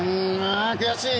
悔しい。